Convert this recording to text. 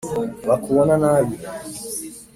bakubona nabi.”